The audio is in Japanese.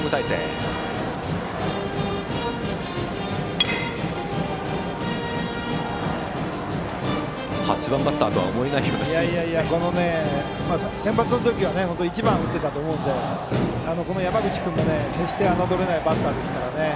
山口、８番バッターとは思えないようなセンバツの時は１番を打っていたと思うので山口君も決して侮れないバッターですからね。